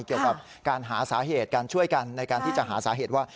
เกี่ยวกับการหาสาเหตุการช่วยกันในการที่จะหาสาเหตุว่า